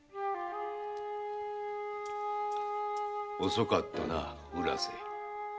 遅かったな浦瀬。